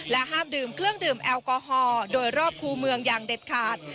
ห้ามดื่มเครื่องดื่มแอลกอฮอล์โดยรอบคู่เมืองอย่างเด็ดขาด